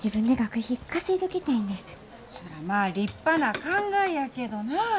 そらまあ立派な考えやけどな。